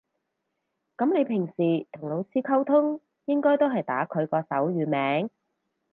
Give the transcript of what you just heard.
噉你平時同老師溝通應該都係打佢個手語名